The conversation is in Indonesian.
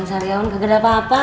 gak ada apa apa